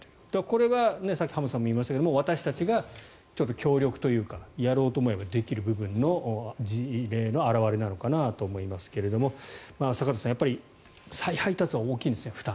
これはさっき浜田さんも言いましたが私たちが協力というかやろうと思えばできる部分の事例の表れなのかなと思いますが坂田さん、やっぱり再配達は負担が大きいですね。